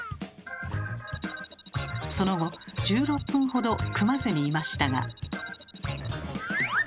その後１６分ほど組まずにいましたが。